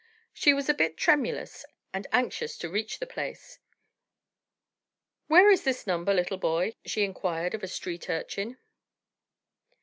She was a bit tremulous, and anxious to reach the place. "Where is this number, little boy?" she inquired, of a street urchin.